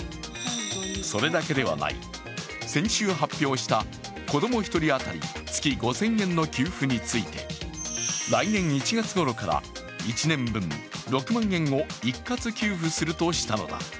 それだけではない、先週発表した子供１人当たり月５０００円の給付について来年１月ごろから１年分６万円を一括給付するとしたのだ。